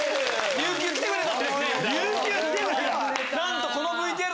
琉球来てくれた！